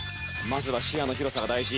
まずは視野の広さが大事。